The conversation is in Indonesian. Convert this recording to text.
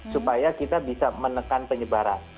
supaya kita bisa menekan penyebaran